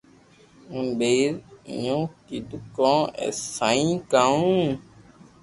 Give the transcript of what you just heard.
ھين ٻئير اينو ڪيدو ڪو اي سائين ڪاو